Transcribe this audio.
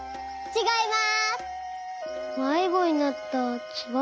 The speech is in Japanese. ちがいます。